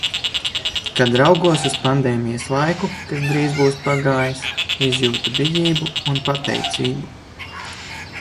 Kad raugos uz pandēmijas laiku, kas drīz būs pagājis, izjūtu bijību un pateicību.